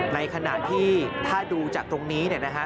ในขณะที่ถ้าดูจากตรงนี้เนี่ยนะฮะ